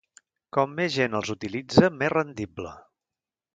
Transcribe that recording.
Com més gent els utilitza, més rendible.